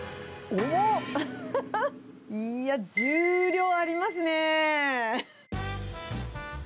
いや、重量ありますねー。